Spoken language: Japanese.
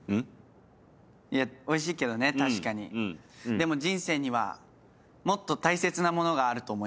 でも人生にはもっと大切なものがあると思います。